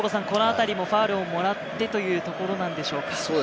このあたりもファウルをもらってというところなんでしょうか？